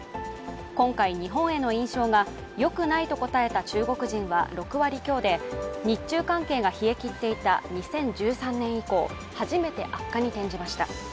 今回、日本への印象がよくないと答えた中国人は６割強で日中関係が冷え切っていた２０１３年以降初めて悪化に転じました。